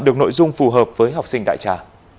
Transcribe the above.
được nội dung phù hợp với học sinh đại trà